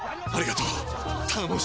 ありがとう！